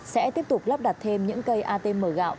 sẽ tiếp tục lắp đặt thêm những cây atm gạo